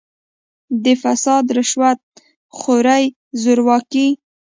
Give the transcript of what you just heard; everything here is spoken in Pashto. د «فساد، رشوت خورۍ، زورواکۍ